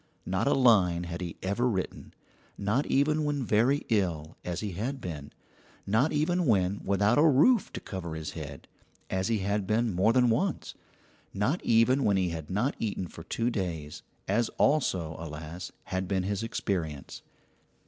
Not a line had he ever written not even when very ill, as he had been; not even when without a roof to cover his head, as he had been more than once; not even when he had not eaten for two days, as also, alas, had been his experience.